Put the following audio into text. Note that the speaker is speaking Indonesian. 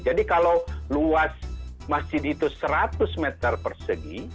jadi kalau luas masjid itu seratus meter persegi